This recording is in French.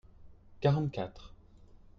quarante quatre.